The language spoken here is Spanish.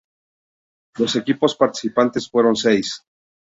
Los equipos participantes fueron seis.